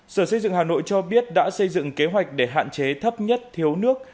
sở xây dựng hà nội cho biết đã xây dựng kế hoạch để hạn chế thấp nhất thiếu nước